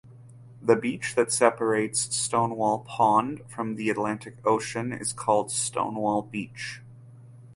The beach that separates Stonewall Pond from the Atlantic Ocean is called Stonewall Beach.